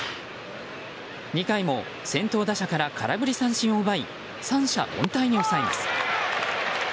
２回も先頭打者から空振り三振を奪い三者凡退に抑えます。